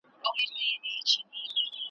خر پیدا دی چي به وړي درانه بارونه ,